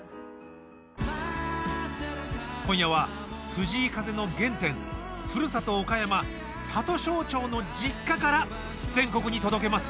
今夜は藤井風の原点ふるさと岡山・里庄町の実家から全国に届けます。